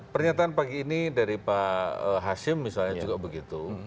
pernyataan pagi ini dari pak hashim misalnya juga begitu